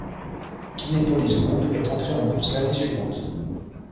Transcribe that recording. Kinepolis Group est entrée en bourse l'année suivante.